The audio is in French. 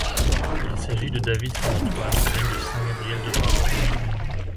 Il s'agit de David St-Antoine, venu de Saint-Gabriel-de-Brandon.